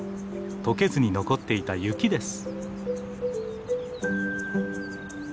とけずに残っていた雪です。